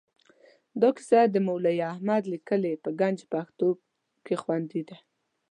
دا کیسه د مولوي احمد لیکلې په ګنج پښتو کې خوندي ده.